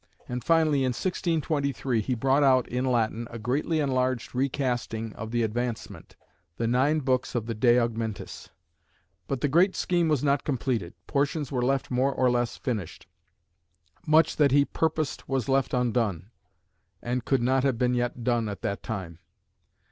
And finally, in 1623, he brought out in Latin a greatly enlarged recasting of the Advancement; the nine books of the "De Augmentis." But the great scheme was not completed; portions were left more or less finished. Much that he purposed was left undone, and could not have been yet done at that time.